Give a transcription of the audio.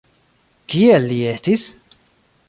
Kiel li estis?